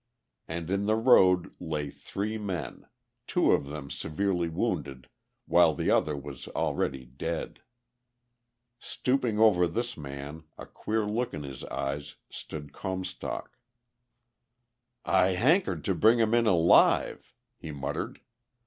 And in the road lay three men, two of them severely wounded while the other was already dead. Stooping over this man, a queer look in his eyes, stood Comstock. "I hankered to bring him in alive," he muttered.